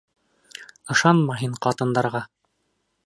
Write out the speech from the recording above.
Ышанма һин ҡатындарға